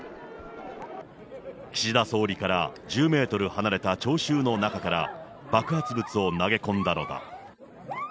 岸田総理から１０メートル離れた聴衆の中から、爆発物を投げ込んだのだ。